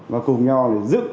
và cùng nhau giúp